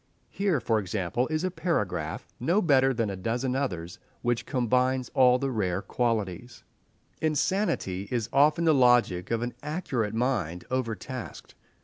Here, for example, is a paragraph—no better than a dozen others—which combines all the rare qualities:— "Insanity is often the logic of an accurate mind overtasked.